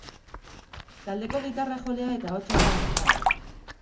Taldeko gitarra-jolea eta ahotsa da Aranzabal.